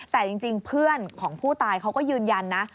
แต่จริงเพื่อนของผู้ตายเขาก็ยืนยันนะ